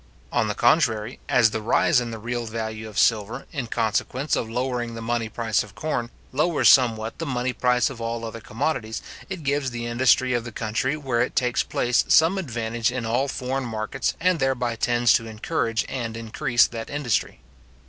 On the contrary, as the rise in the real value of silver, in consequence of lowering the money price of corn, lowers somewhat the money price of all other commodities, it gives the industry of the country where it takes place some advantage in all foreign markets and thereby tends to encourage and increase that industry.